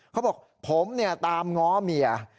เขาบอกผมตามง้อเมีย